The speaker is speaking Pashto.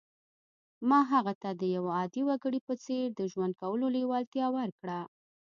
ما هغه ته د یوه عادي وګړي په څېر د ژوند کولو لېوالتیا ورکړه